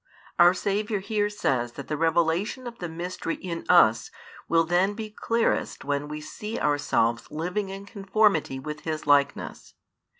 Our Saviour here says that the revelation of the mystery in us will then be clearest when we see ourselves living in conformity with His likeness.